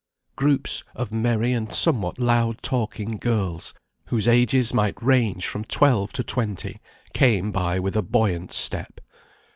Groups of merry and somewhat loud talking girls, whose ages might range from twelve to twenty, came by with a buoyant step.